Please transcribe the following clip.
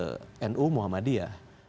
saya melihat nu muhammadiyah